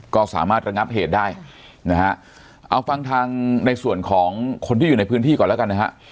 ก็สามารถระงับเหตุได้นะฮะเอาฟังทางในส่วนของคนที่อยู่ในพื้นที่ก่อนแล้วกันนะฮะ